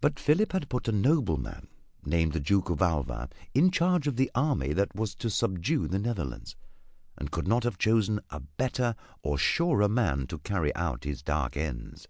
But Philip had put a nobleman named the Duke of Alva in charge of the army that was to subdue the Netherlands, and could not have chosen a better or surer man to carry out his dark ends.